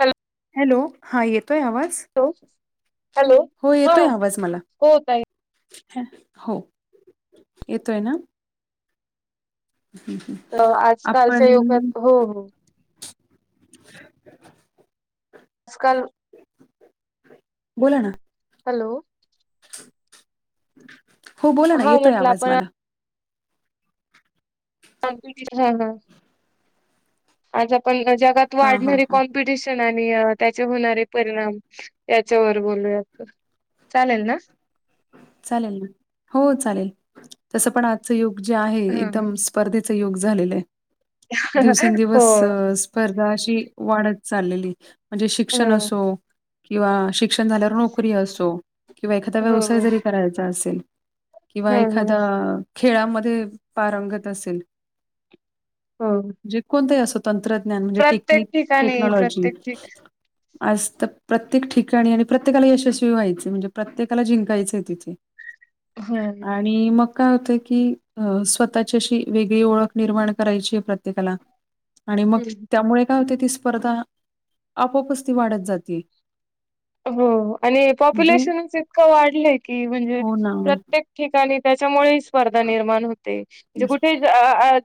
Hello... hello हा येतोय आवाज... हॅलो हो हा येतोय आवाज मला... हो ताई हा हो येतोय आवाज... तर आज कालच्या आपण युगात हो हो... तिकडच... आजकाल... बोला ना... हॅलो... हो बोला ना हा येतोय म्हटलं आवाज आपण मला... कोणता विषय आहे आज... आज आपण जगात हां हां वाढणारी हां कॉम्पिटिशन... आणि त्याचे होणारे परिणाम त्याच्यावर बोलूयात... चालेल ना... चालेल ना हो चालेल तस पण आजचं युग... जे आहे हा हा एकदम स्पर्धेच युग झालेलं आहे... हो दिवसेंदिवस स्पर्धा अशी वाढत चाललेलीय... म्हणजे शिक्षण हो असो किंवा शिक्षण झाल्यावर नोकरी असो किंवा एखाद्या व्यवसाय... हो जरी करायचा असेल... किंवा हा हा एखादा खेळामध्ये पारंगत असेल... हो जे कोणत अस... तंत्रज्ञान म्हणजे प्रत्येक टेक्निक ठिकाणी टेक्नॉलॉजी.... प्रत्येक ठिकाणी आज तर प्रत्येक ठिकाणी आणि प्रत्येकाला यशस्वी व्हायचे म्हणजे प्रत्येकाला जिं... काहीच तिथे हो आणि मग... काय होत की स्वतःच्याशी वेगळी ओळख निर्माण करायची आहे प्रत्येकाला... आणि मग हम्म त्यामुळे काय होते ती स्पर्धा आपोपच ती वाढत जाते... हो आणि म्हणजे पॉप्युलेशनच इतकं... वाढलय म्हणजे हो ना प्रत्येक ठिकाणी त्याच्यामुळे स्पर्धा निर्माण हो... ते म्हजे तेच कुठे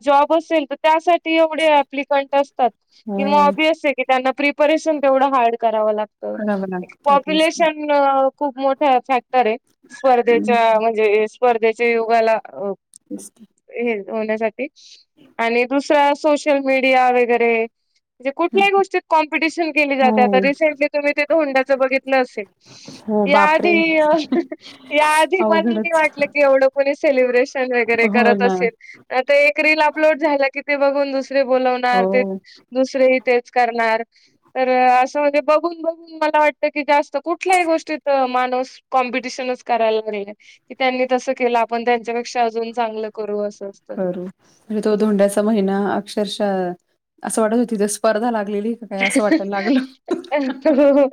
जॉब असेल तर त्यासाठी.... एवढे अप्लिकंट असतात हो किंवा ऑबियस क त्यांना प्रिपरेशन तेवढं हार्ड करावं लागत... खलाबला... पॉप्युलेशन खूप मोठं फॅक्टर आहे हं, स्पर्धेच्या म्हणजे... स्पर्धेच्या युगाला तेस हे होण्यासाठी आणि दुसरा सोशल मीडिया वगैरे म्हे हं. कुल्याही गोष्टी कॉम्पटिन के जातेता हो, रिंट तुमही तें बघितल असेल हो या बापरे! आधी वाटलं अवघडच. की एवढ सेलिब्रेशन वैगेरे हो करत ना. असेल एक रिल अपलोड झाली ते बघून दुसरे बोलवणार ते हो. दुसरेही तेच करणार तर असं म्हणजे बघून बघून मला वाट कुठल्याही गोष्टीत माणूस कॉम्पिटिशन करायला चालाय त्यांनी तसं केलं आपण त्यांच्यापेक्षा अजून चांगलं करू असत करू म्हणजे तो धोंड्याचा महिना अक्षरशः असं वाटत होती स्पर्धा ला हो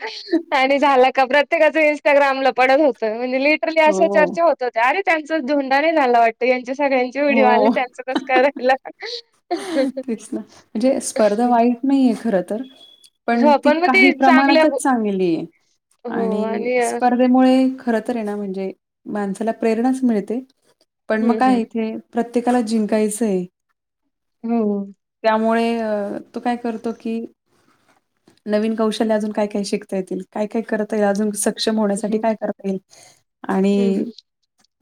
आणि झाला का प्रत प्रत्येकाचं इं्स्टाग्राला पडत होत म्हणजे लिटरली अश हो चर्चा होते आणि त्यांचाच धोंडा नाही झाला वाटत यांचे सगळ्यांचे व्हडिओ हो आले त्यांच कस करायला तेच ना म्हणजे स्पर्धा वाईट नाहीये खर तर पण हो ती मग काही ते चांगल्या प्रमाणातच चांगली आहे आणि स्पर्धेमुळे खर तर ये म्हणजे माणसाला प्रेरणाच मिळते पण मग काय हम्म इथे प्रत्येकाला जिंकायचंय हो त्यामुळे तो काय करतो की नवीन कौशल्य अजून काय काय शिकता येतील काय काय करता येईल अजून सक्षम होण्यासाठी काय करता येईल हम्म आणि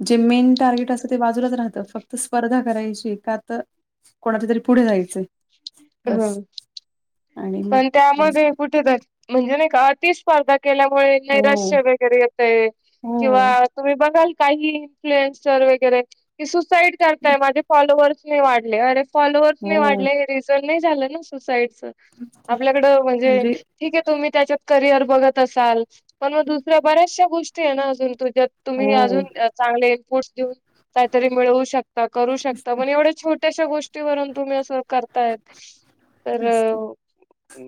जे मेन टार्गेट असतं ते बाजूलाच राहतं फक्त स्पर्धा करायची का तर कोणात तरी पुढे जायचं ह आणि मग पण त्यामध्येग कुठेेत म्हणजे नाही का अति स्पर्धा केल्यामुळे हो, नैराश्य वगैरे येतय किंवा हो, तुम्ही बघाल काही इन्फ्लुएनसर वगैरे सुसाईड करताय माझे फॉलोअर्सने वाढले अरे फॉलोअर् नाही हो. वाढले रिझल नाही झालं ना सुसाइडच आपल्याकड म्हणजे ठीक आहे तुम्ही त्याच्यात करिअर बघत असाल पण मग दुसऱ्या बऱ्याचशा गोष्टी आहे ना अजूनुझ्या तुम्ही हो. अजून चांगले इनपुट्स देऊन काहीतरी मिळवू शकता करू तेच शकता तर, म्हण एवढ्या छोट्याशा गोष्टीवरून तुम्ही असं तेच तर.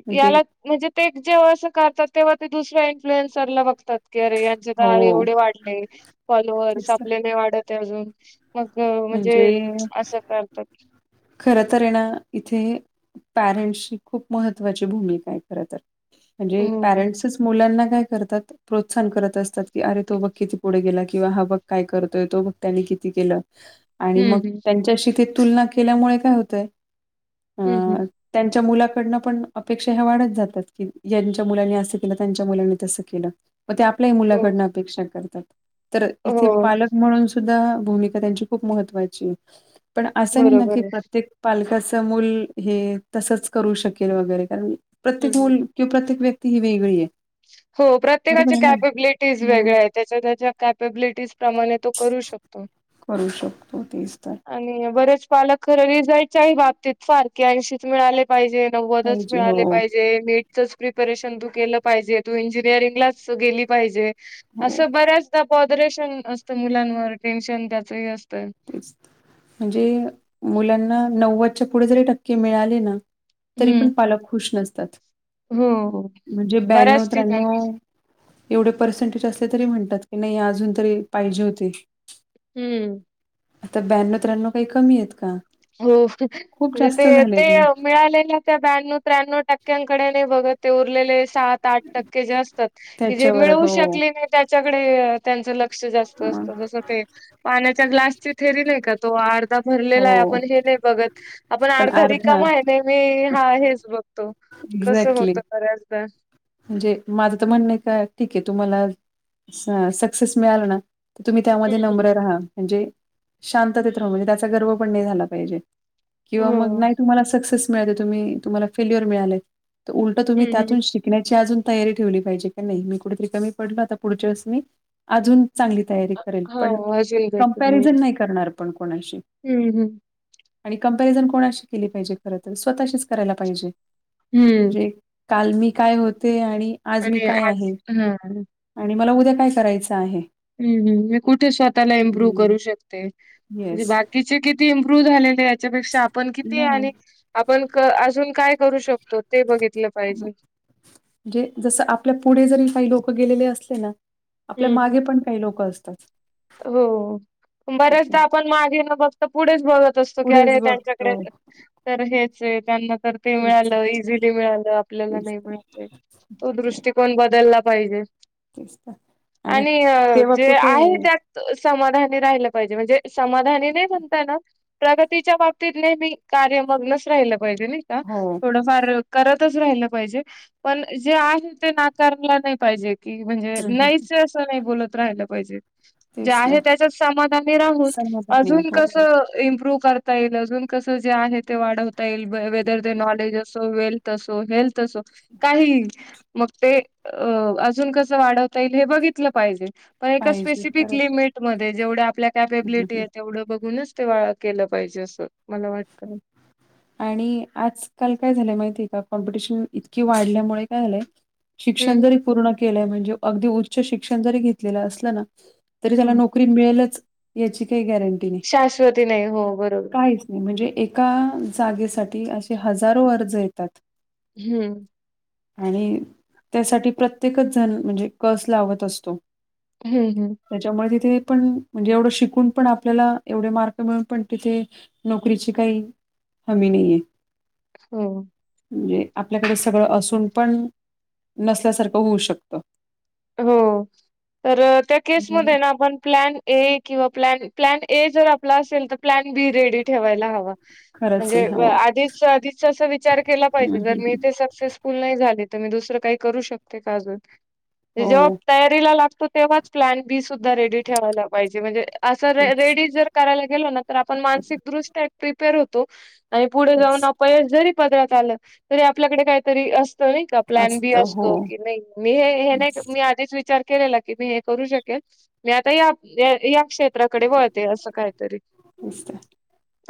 म्हणजे याला म्हण ते जेव्हा असं करतात तेव्हा ते दुसऱ्या इन्फ्लुएनसरला बघतात अरे यांचे तर हो. एवढे वाढले फॉलोअर्स तेच तर. आपल्याने वाढत अजून मग अ, म्हणजे असं करतात खरं तर आहे ना इथे पॅरेंट्ची खूप महत्त्वाची भूमिका आहे खर तर हो म्हणजे हम्म पॅरंट्सच मुलांना काय करतात प्रोत्साहन करत असतात की अरे तो बक किती पुढे गेला किंवा हा बक काय करतोय तो बघ त्यांनी के आणि मग हम्म त्यांच्याशी ते तुलना केल्यामुळे काय होतय हम्म हम्म. अ त्यांच्या मुला ड पण अपेक्षा ह्या वाढत जातात की जच्या मुलांनी असं केलं त्यांच्या मुलांनी तसं केलं मग ते आपल्याही हो मुलाकडन अपेक्षा करतात तर इथे हो पालक म्हणून सुद्धा भूमिका त्यांची महत्वा पण अस बरोबर आहे. प्रत्येक पाल मल हे तसंच करू शकेल वगैरे कारण हम्म प्रत्येक मल हम्म. किंवा प्रत्येक व्यक्ती ती ही वेगळी आहे हो बरोबर प्रत्येकाच्या आहे ना? कॅपेबिलिटीज मग वेगळ्या आहेत त्याच्या त्याच्या कॅपेबलिटीज प्र्रमाणे तो करू शकतो अ करू शकतो तेच तर बरेच पालक खररी जायच आहे बाबतीत फार की ऐंशीच मिळाले पाहिजे नव्वदच पाहिजे. हो, मिळाले पाहिजे नीटच प्रिपेरेशन तू केलं पाहिजे ते इंजिनिअरिंगलाच गेली पाहिजे हो. असं बऱ्याचदा कॉदरेशन असतं मुलांवर टेन्शन त्याचही असतं. तेच म्हणजे मुलांना नव्वदच्या पुढे जरी टक्के मिळाले ना तरी हम्म पण पालक खुश नसतात. हो हो. म्हणजे ब्यानव, बऱ्याच ठिकाणी त्र्यानव एवढे पर्सेंटेज अस तरी म्हणतात नाही अजून तरी पाहिजे होते. हम्म. आता ब्याण्णव त्र्याण्णव काही कमी आहेत का? हो खूप म्हणे जास्त ते ते झालेत ना मिळालेल्या त्या ब्याण्णव त्र्याण्णव टक्क्यांकडे नाही बघत. ते उरलेले सात आठ टक्के जे असतात की जे त्याच्यावर मिळवू हो. शकली नाही त्याच्याकडे त्यांच लक्ष जास्त मग असत जस ते पाण्याच्या ग्लासची थेरी नाही का तो आर भरलेला आहे हो. आपण हे नाही बघत आपण पण आर्ध र अर्धा काम आहे न मी हा हेच बघतो. तस एक्झॅक्टली. होत बर्याच दा. म्हणजे माझं तर म्हणणय का ठीक आहे तुम्हाला स-सक्सेस मिळाल ना तुम्ही हं. त्यामध्ये नम्र राहा म्हणजे शांततेत राहू म्हणजे त्याचा गर्व पण नाही झाला पाहिजे. किंवा मग हो नाही तुम्हाला सक्सेस मिळाते तुम्ही तुम्हाला फेल्युअर मिळालय. उलट तुम्ही हम्म हम्म. त्यातून शि कायची अजून तयारी ठेवली पाहिजे का नाही मी कुठरी कमी पडलो आता पुढच्या वसनी मी अजून चांगली तयारी करेल पण हो अजून बेटर होईल. कंपॅरिझन नाही करणार पण कोणाशी. हम्म हम्म आणि कंपॅरिझन कोनाशी केली पाहिजे खर तर स्वतःशीच करायला पाहिजे. हम्म. म्हणजे काल मी काय होते आणि आज मी आणि काय आहे हा [inaudible] आणि मला उद्या काय करायचं आहे. हम्म, हम मी कुठे स्वतःला इम्प्रुव्ह हं. करू शकते म्हणजे येस. बाकीचे किती इम्प्रुव्ह झालेले आहेत. त्यापेक्षा आपण किती नाही आणि आपण क अजून काय करू शकतो ते बघित म्हणजे जस आपल्या पुढे जरी काही लोक गेलेले असले ना आपल्या हम्म. मागे पण काही लोक असतात. हो हाय की बऱ्याचदा नाही. आपण मागे ना बघता पुढेच बघत असतो की पुढेच अरे त्यांच्याकडे बघतो. तर हेच नाही त्यांना ते तेच, मिळाल. इझीली मिळाल आपल्याला तेच नाही तर, मिळालं तो दृष्टकोन बदलला पाहिजे तेच तर [inaudible] आणि तेव्हा जे कुठे आहे ते समाधानी राहिलं पाहिजे. म्हणजे समाधानी नाही म्हणता येणार प्रगतीच्या बाबतीत नेहमी का [unintelligible] असं ते मग लस राहील पाहिजे नाही का हो. थोडं फार [unintelligible] तसंच राहिलं पाहिजे पण जे आहे ते नाकारला नाही पाहिजे. कि म्हणजे हं, हं. नाहीच आहे असं नाही बोलत राहिलं पाहिजे. जे तेच आहे ना. त्याच्यात सामाधानी राहून समाधानी अजून हो, कस इमप्रूव करता येईल अजून कस जे आहे ते वाढवता येईल वेदर तेन नॉलेज अस. हेल्थ असो काहीही मग ते अ अजून कस वाढवता येईल बघ. घितलं पाहिजे मग एका पाहिजे स्पेसिफिक खरंच. लिमिट मधे जेवढं आपलं हं, कॅपॅबीलिटी हं, आहे तेवढं बघूनच ते वा केलं पाहिजे असं. मला वाटतं. [inaudible] आणि आज काल काय झालंय माहिते कॉम्पिटिनशन इतकी वाढल्यामुळे काय झाले शिक्षण हम्म. जरी पूर्ण केल म्हनजे अगदी उच्च शिक्षण जरी घेतलेलं असलं ना तरी त्याला हं. नोकरी मिळेलच [unintelligible] हे गॅरंटी नाही शाश्वती नाही हो [inaudible] बरोबर कायचं नाही म्हणजे ते एका जागेसाठी असे हजारो अर्ज येतात. हम्म. आणि त्यासाठी प्रत्येकच जण म्हणजे कस लावत असतो. हम्म हम्म. [inaudible] त्याच्यामुळे तिथे पण म्हणजे एवढं शिकुन पण आपल्याला एवढे मार्क मिळून पण तिथे नोकरीची काही हमी नाही आहे हो म्हणजे आपल्याकडे सगळं असून पण नसल्यासारखं होऊ शकत हो तर त्या त्यामुळे केसमध्ये ना आपण प्लॅन एक किंवा प्लॅन प्लॅन ए जर आपला असेल तर प्लॅन बी रेडी ठेवायला हवा खरंच म्हणजे आहे हो. आधीच आधीच अस विचार केला पाहिजे हं, जर हं, मी हं. ते सक्सेसफुल नाही झाले ी दुसर काही करू शकते का अजून जेव्हा हो तयारीला लागतो तेव्हाच प्लन बी रेडी ठेवायला पाहिजे म्हणजे असं र तेच रेडी जर गेलो आपण मा प्रपर होतो आणि पुढेऊ तेच अप ात आ तरी आपल्याकडे काहीतरी असत नाही का प्लॅन बी असतं हो. असतो की नाही मी नाही तेच मी आधीच विचार केला की मी हे करू शकेल मी आता क्षेत्राकडे वळते असं काहीतरी तेच तर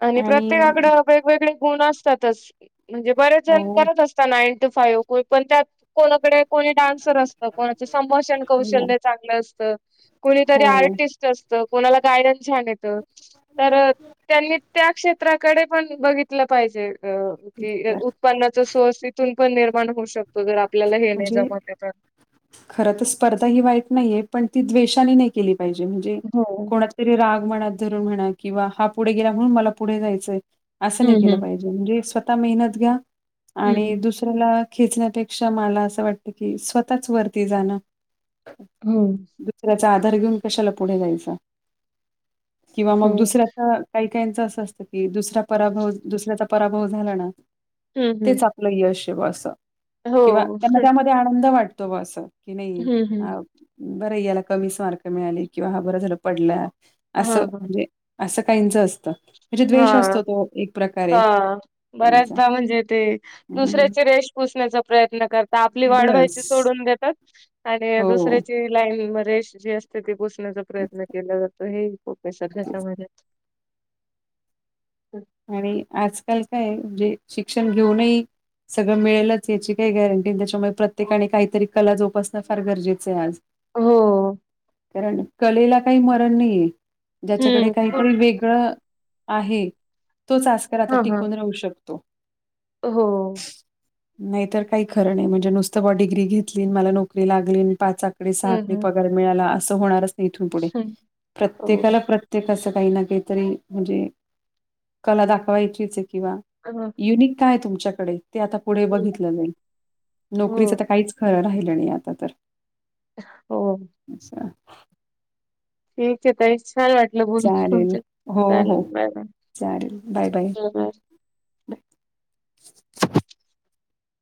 आणि प्रत्येकाकड वेगवेगळे गुण असतातच म्हणजे बरेच हो, जण करत असतात नाईन टू फाइव्ह पण त्यात कोणाकडे कोणी डान्सर असतं कोणाच संभाषण हो, कौशल्य चांगलं असतं कुणीतरी हो. आर्टिस्ट असत कोणाला गायडन् ण येत तर त्यांनी त्या क्षेत्राकडे पण बघितलं पाहिजे अ तेच कि तर उत्पन्नाचा सोर्स तिथून पण निर्माण होऊ शकतो वगर आपल्याला हे नाही जमत तर खर तर स्पर्धा ही वाईट नाहीये पण ती द्वेषाने नाही केली हो. म्हण रा ून म्हणा किंवा हा पुढे गेला म्हणून मला पुढे जायचंय असं नाही हम्म के हम्म पाहिजे म्हणे मेहनत घ्या आणि हम्म. दुसऱ्याला खेचण्यापै क्षा मला असं वाटत की स्वतःच वरती जाणं होम दुसऱ्याचा घेऊन क पुढ जा किंवा मग हो. दु्या का अस असत की दुस परा दुसऱ्याचा पराभव झाला ना हम्म हम्म. तेच आपलं यश किंवा हो. त्यांना त्यामध्ये आनंद वाटतो ब अस की नाही हम्म हम्म. बर याला कमीच मार्क मिळाली किंवा हा बर झालं पडला हां असं म्हणजे असं काहीच असतं हा द्वेष असतो तो एक हा प्रकारे त्यांचा बऱ्याचदा म्हणजे ते हं, दुसऱ्याचे रेश पुसण्याच प्रयत्न करत आपली वाढ व्हायची बस. सोडून देतात आणि हो दुसऱ्याची लाईन रेश जे असते ते पुोसण्याचा तेच प्रयत्न केला जातो हे खूप तेच सध्याच्यामाजात आणि आजकाल काय जे शिक्षण घेऊनही सगळं मिळेलच याची काही गॅरंटी त्याच्यामुळे प्रत्येकाने काहीतरी कला जोपासणं फार गरजेचं आहे आज हो कारण कलेला काही मरण नाहीये ज्याच्याकडे हम्म काही कुठ पण वेगळं आहे तोचस्कर आता हा हा टिकून राहू शकतो हो नाहीतर काही खरं नाही म्हणजे नुसतं ब डिग्री घेतली मला नोकरी लागली पाच आकडे सहा हम्म आक हम्म पगार मिळाला असं होणारच नाही इथून पुढे हम्म. हो प्रत्येकाला प्रत्येक असे काही ना काहीतरी म्हणजे कला दाखवायचीच किंवा हां. युनिक काय तुमच्याकडे ते आता पुढे हं. बघितलं जाईल हो नोकरीचं तर काहीच खरं राहिलं नाही आता तर हो अच्छा ठीक आहे ताई छान वाटलं बोल चालेल. तुमचे हो, चाले हो. Bye bye [unintelligible]